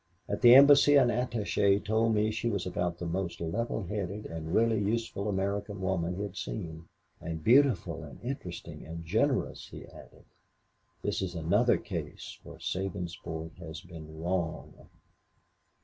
At the Embassy an attaché told me she was about the most level headed and really useful American woman he'd seen 'And beautiful and interesting and generous,' he added. This is another case where Sabinsport has been wrong."